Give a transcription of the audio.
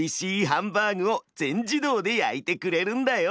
ハンバーグを全自動で焼いてくれるんだよ。